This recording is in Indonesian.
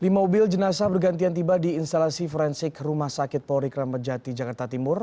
lima mobil jenazah bergantian tiba di instalasi forensik rumah sakit polri kramat jati jakarta timur